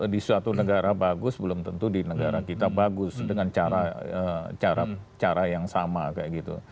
di suatu negara bagus belum tentu di negara kita bagus dengan cara yang sama kayak gitu